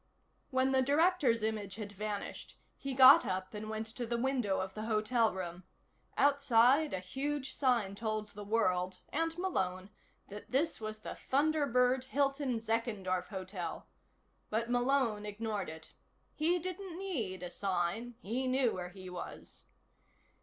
When the Director's image had vanished, he got up and went to the window of the hotel room. Outside, a huge sign told the world, and Malone, that this was the Thunderbird Hilton Zeckendorf Hotel, but Malone ignored it. He didn't need a sign; he knew where he was.